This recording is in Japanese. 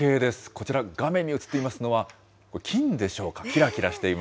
こちら、画面に映っていますのは、金でしょうか。